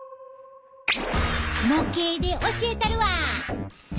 模型で教えたるわ。